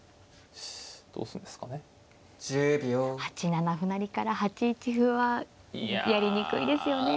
８七歩成から８一歩はやりにくいですよね。